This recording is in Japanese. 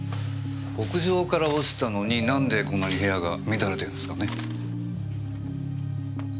屋上から落ちたのになんでこんなに部屋が乱れてるんですかね？